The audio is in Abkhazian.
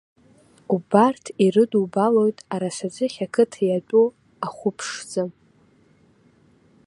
Убарҭ ирыдубаалоит Арасаӡыхь ақыҭа иатәу ахәы ԥшӡа.